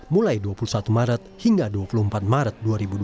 mulai dua puluh satu maret hingga dua puluh empat maret dua ribu dua puluh